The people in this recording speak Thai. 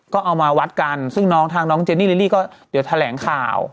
ก็เอามาวัดกันซึ่งน้องทางน้องเจนี่ลิลลี่ก็เดี๋ยวแถลงข่าว